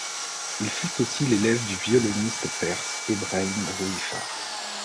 Il fut aussi l'élève du violoniste perse Ebrahim Rouhifar.